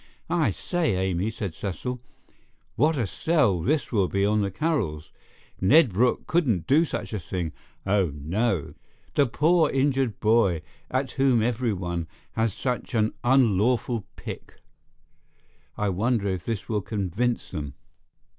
"I say, Amy," said Cecil, "what a sell this will be on the Carrolls! Ned Brooke couldn't do such a thing—oh, no! The poor injured boy at whom everyone has such an unlawful pick! I wonder if this will convince them."